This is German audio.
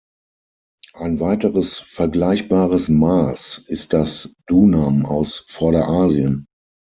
Ein weiteres vergleichbares Maß ist das Dunam aus Vorderasien.